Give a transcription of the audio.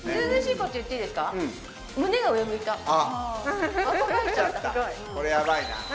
これやばいな。